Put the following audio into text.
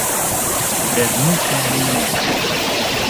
Brez muke ni moke.